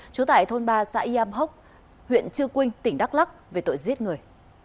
chú tại thôn ba xã yàm hốc huyện chư quynh tỉnh đắk lắc về tội giết người